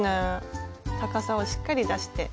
高さをしっかり出して。